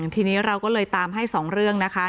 ทีนี้เราก็เลยตามให้๒เรื่องนะคะ